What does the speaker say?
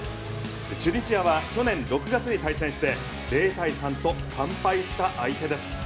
チュニジアは去年６月に対戦して０対３と完敗した相手です。